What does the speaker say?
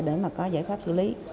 để mà có giải pháp xử lý